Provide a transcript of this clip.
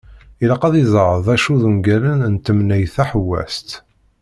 Ilaq ad iẓer acu d ungalen n « temneyt taḥewwast ».